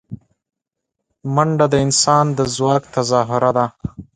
منډه د انسان د ځواک تظاهره ده